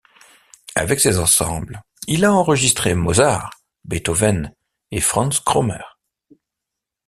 Avec ces ensembles, il a enregistré Mozart, Beethoven et Franz Krommer.